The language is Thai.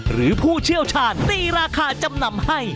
ผู้เชี่ยวชาญตีราคาจำนำให้